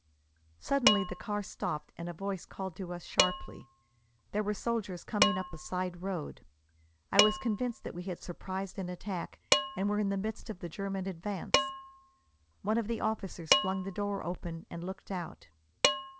Suddenly the car stopped and a voice called to us sharply. There were soldiers coming up a side road. I was convinced that we had surprised an attack, and were in the midst of the German advance. One of the officers flung the door open and looked out.